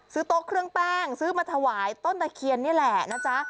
โต๊ะเครื่องแป้งซื้อมาถวายต้นตะเคียนนี่แหละนะจ๊ะ